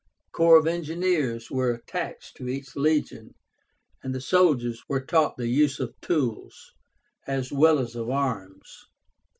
Corps of engineers were attached to each legion, and the soldiers were taught the use of tools, as well as of arms.